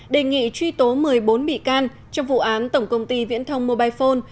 đề nghị truy tố một mươi bốn bị can trong vụ án tổng công ty viễn thông mobile phone